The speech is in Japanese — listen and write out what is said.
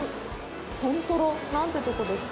豚トロ、何てとこですか？